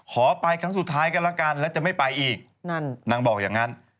ขอไปครั้งสุดท้ายกันละกันแล้วจะไม่ไปอีกนั่นนางบอกอย่างนั้น